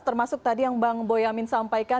termasuk tadi yang bang boyamin sampaikan